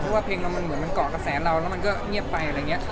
เพราะว่าเพลงเรามันเหมือนมันเกาะกระแสเราแล้วมันก็เงียบไปอะไรอย่างนี้